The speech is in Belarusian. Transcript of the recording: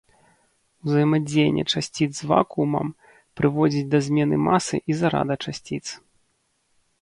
Узаемадзеянне часціц з вакуумам прыводзіць да змены масы і зарада часціц.